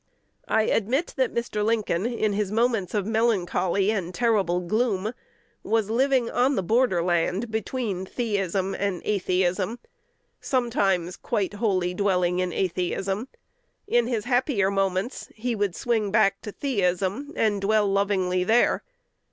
I admit that Mr. Lincoln, in his moments of melancholy and terrible gloom, was living on the borderland between theism and atheism, sometimes quite wholly dwelling in atheism. In his happier moments he would swing back to theism, and dwell lovingly there.